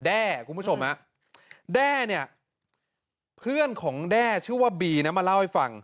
คุณผู้ชมฮะแด้เนี่ยเพื่อนของแด้ชื่อว่าบีนะมาเล่าให้ฟัง